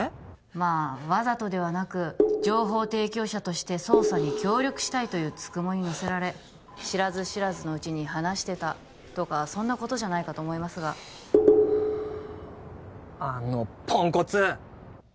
まあわざとではなく情報提供者として捜査に協力したいという九十九にのせられ知らず知らずのうちに話してたとかそんなことじゃないかと思いますがあのポンコツ！